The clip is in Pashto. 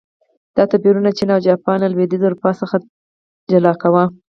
دا توپیرونه چین او جاپان له لوېدیځې اروپا څخه جلا کاوه.